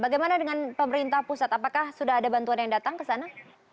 bagaimana dengan pemerintah pusat apakah sudah ada bantuan yang datang ke sana